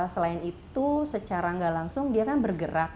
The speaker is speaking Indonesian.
selain itu secara nggak langsung dia kan bergerak